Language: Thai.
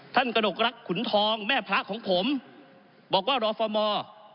ท่านกรกรรักฯขุนทองแม่พระของผมบอกว่ารองฟอร์มอล